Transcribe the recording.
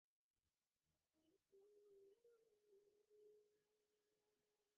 এক মুহূর্তেই বিহারী ফিরিয়া দাঁড়াইয়া মহেন্দ্র মহেন্দ্র করিয়া ডাকিল।